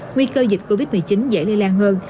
nguy cơ dịch covid một mươi chín dễ lây lan hơn